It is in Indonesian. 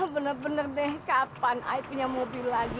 bener bener deh kapan saya punya mobil lagi